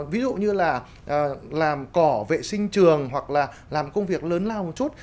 ví dụ như là làm cỏ vệ sinh trường hoặc là làm công việc lớn lao một chút